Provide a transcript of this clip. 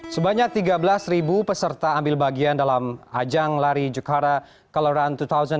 sebanyak tiga belas peserta ambil bagian dalam ajang lari jekara color run dua ribu delapan belas